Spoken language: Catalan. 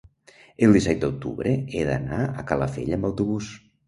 el disset d'octubre he d'anar a Calafell amb autobús.